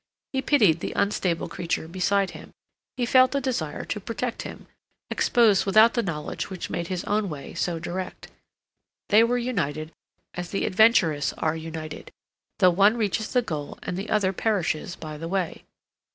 He pitied the unstable creature beside him; he felt a desire to protect him, exposed without the knowledge which made his own way so direct. They were united as the adventurous are united, though one reaches the goal and the other perishes by the way.